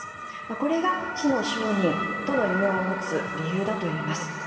これが死の商人との異名を持つ理由だといいます。